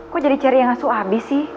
kok jadi cari yang asuh abi sih